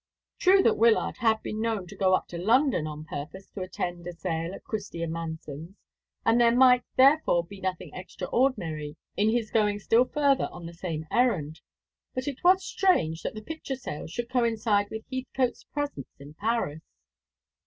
True that Wyllard had been known to go up to London on purpose to attend a sale at Christie & Manson's, and there might, therefore, be nothing extraordinary in his going still further on the same errand. But it was strange that the picture sale should coincide with Heathcote's presence in Paris.